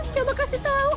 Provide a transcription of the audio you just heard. siapa kasih tau